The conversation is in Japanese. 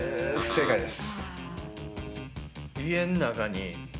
正解です。